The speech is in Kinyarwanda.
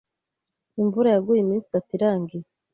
Imvura yaguye iminsi itatu irangiye.